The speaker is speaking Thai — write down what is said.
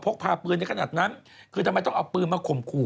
กพาปืนได้ขนาดนั้นคือทำไมต้องเอาปืนมาข่มขู่